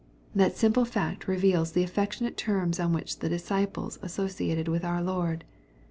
That simple fact reveals the affectionate terms on which the disciples associated with our Lord.